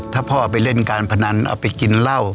ถ้าพ่อไปเล่นการพนันเอาไปกินเหล้า